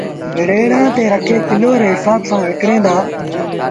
ريڙآݩ تي رکي ڪلو ري هسآب سآݩ وڪڻيٚن دآ